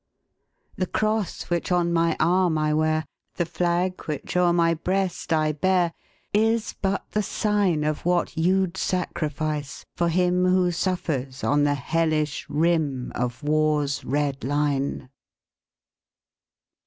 The cross which on my arm I wear, The flag which o'er my breast I bear, Is but the sign Of what you 'd sacrifice for him Who suffers on the hellish rim Of war's red line.